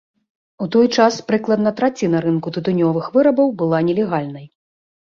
У той час прыкладна траціна рынку тытунёвых вырабаў была нелегальнай.